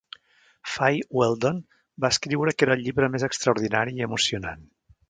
Fay Weldon va escriure que era el llibre més extraordinari i emocionant.